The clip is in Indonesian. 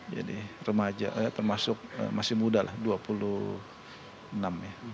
jadi termasuk masih muda lah dua puluh enam ya